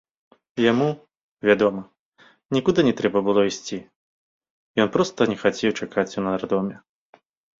Яму, вядома, нікуды не трэба было ісці, ён проста не хацеў чакаць у нардоме.